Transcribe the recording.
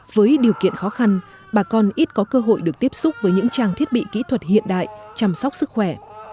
với điều kiện khó khăn bà con ít có cơ hội được tiếp xúc với những trang thiết bị kỹ thuật hiện đại chăm sóc sức khỏe